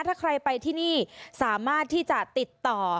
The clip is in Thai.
ถ้าใครไปที่นี่สามารถที่จะติดต่อ